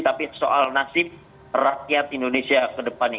tapi soal nasib rakyat indonesia kedepannya